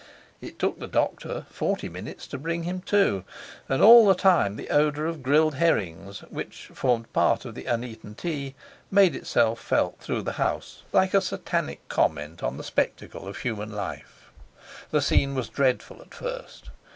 It took the doctor forty minutes to bring him to, and all the time the odour of grilled herrings, which formed part of the uneaten tea, made itself felt through the house like a Satanic comment on the spectacle of human life. The scene was dreadful at first.